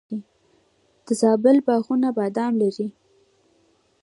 د زابل باغونه بادام لري.